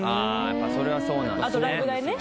やっぱそれはそうなんですね